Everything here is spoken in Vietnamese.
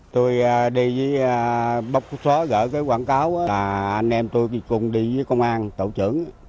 tôi đi bóc xóa gỡ cái quảng cáo là anh em tôi cùng đi với công an tổ chưởng